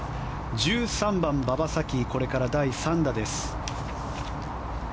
１３番、馬場咲希の第３打です。